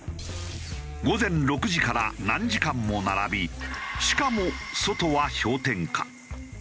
午前６時から何時間も並びしかも外は氷点下。